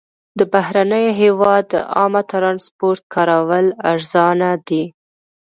د بهرني هېواد د عامه ترانسپورټ کارول ارزانه دي.